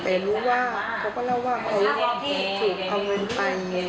แต่รู้ว่าเขาก็เล่าว่าเขาถูกเอาเงินไป